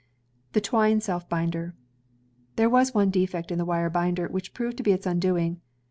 The Twine Seu bindeh There was one defect in the wire binder, which proved to be its undoing.